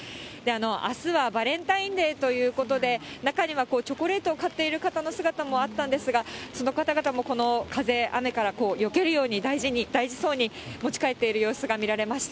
あすはバレンタインデーということで、中にはチョコレートを買っている人の姿もあったんですが、その方々もこの風、雨からよけるように、大事そうに持ち帰っている様子が見られました。